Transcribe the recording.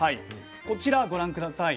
こちらご覧下さい。